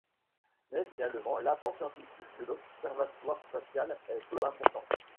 Mais finalement l'apport scientifique de l'observatoire spatial est peu important.